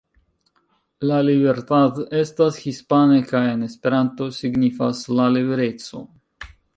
La Libertad estas hispane kaj en Esperanto signifas "La libereco".